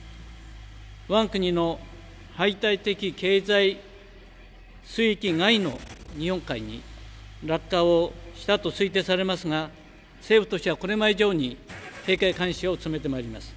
わが国の排他的経済水域外の日本海に落下をしたと推定されますが、政府としてはこれまで以上に警戒監視を強めてまいります。